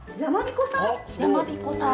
やまびこさん。